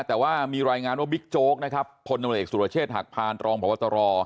แต่ว่ามีรายงานว่าบิ๊กโจ๊กนะครับผลเด็กสุรเชษหักพานตรองผวตร